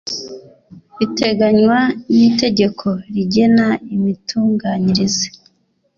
biteganywa n itegeko rigena imitunganyirize